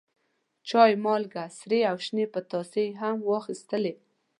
چای، مالګه، سرې او شنې پتاسې هم واخیستلې.